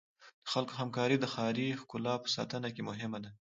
د خلکو همکاري د ښاري ښکلا په ساتنه کې مهمه ده.